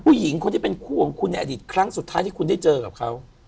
ผู้หญิงคนที่เป็นคู่ของคุณในอดีตครั้งสุดท้ายที่คุณได้เจอกับเขา